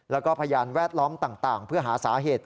แล้วก็พยานแวดล้อมต่างเพื่อหาสาเหตุ